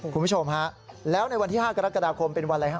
คุณผู้ชมฮะแล้วในวันที่๕กรกฎาคมเป็นวันอะไรฮะ